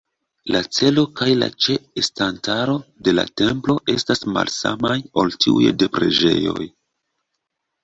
La celo kaj la ĉe-estantaro de la templo estas malsamaj ol tiuj de preĝejoj.